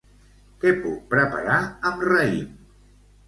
Què puc preparar amb raïm?